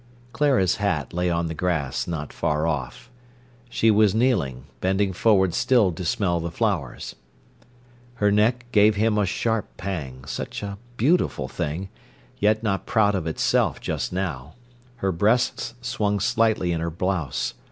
Clara's hat lay on the grass not far off. She was kneeling, bending forward still to smell the flowers. Her neck gave him a sharp pang, such a beautiful thing, yet not proud of itself just now. Her breasts swung slightly in her blouse.